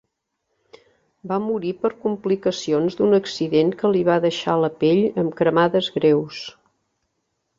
Va morir per complicacions d'un accident que li va deixar la pell amb cremades greus.